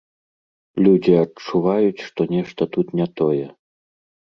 Людзі адчуваюць, што нешта тут не тое.